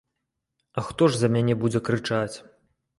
А хто ж за мяне будзе крычаць?